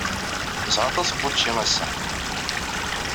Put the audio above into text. Nesɛa aṭas n wučči ass-a.